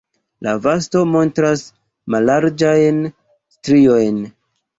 La vosto montras mallarĝajn striojn.